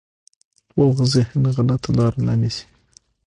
پوخ ذهن غلطه لاره نه نیسي